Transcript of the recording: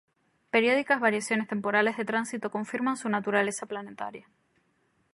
Periódicas variaciones temporales de tránsito confirman su naturaleza planetaria.